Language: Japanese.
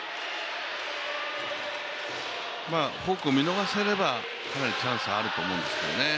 フォークを見逃せれば、かなりチャンスあると思うんですけどね。